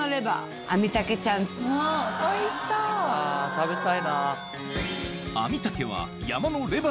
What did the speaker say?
食べたいな。